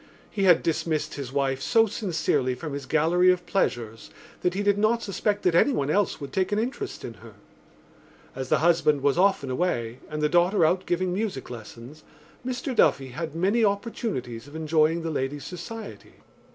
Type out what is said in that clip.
He had dismissed his wife so sincerely from his gallery of pleasures that he did not suspect that anyone else would take an interest in her. As the husband was often away and the daughter out giving music lessons Mr Duffy had many opportunities of enjoying the lady's society.